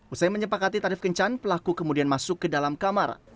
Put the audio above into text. usai menyepakati tarif kencan pelaku kemudian masuk ke dalam kamar